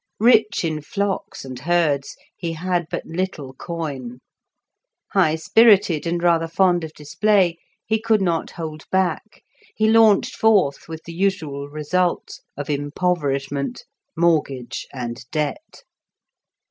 Rich in flocks and herds, he had but little coin. High spirited, and rather fond of display, he could not hold back; he launched forth, with the usual result of impoverishment, mortgage, and debt.